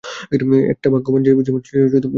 একটা ভাগ্যবান জীবন যেটা তুমি সবসময় চাইতে, বব।